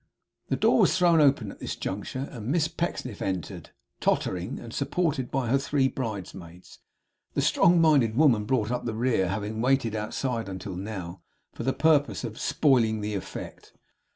The door was thrown open at this juncture, and Miss Pecksniff entered, tottering, and supported by her three bridesmaids. The strong minded woman brought up the rear; having waited outside until now, for the purpose of spoiling the effect.